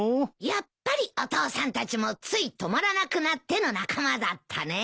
やっぱりお父さんたちも「つい止まらなくなって」の仲間だったね。